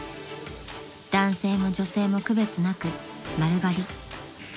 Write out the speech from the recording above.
［男性も女性も区別なく丸刈り］